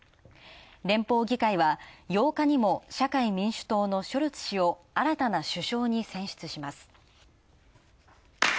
連邦議会は、８日にも社会民主党のショルツ氏を新たな首相に選出します。